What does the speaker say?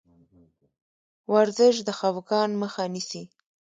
ورزش د خفګان مخه نیسي.